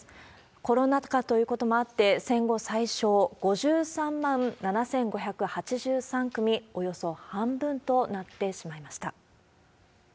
コロナ禍ということもあって、戦後最少、５３万７５８３組、およそ半分となってしまいました。